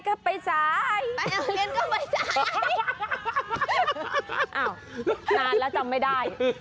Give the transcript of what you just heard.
นานแล้วจำไม่ได้